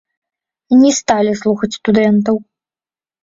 Не сталі слухаць студэнтаў.